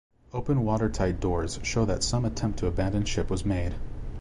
Open watertight doors show that some attempt to abandon ship was made.